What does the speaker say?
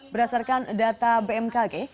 berdasarkan data bmkg